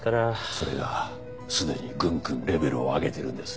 それが既にぐんぐんレベルを上げてるんです。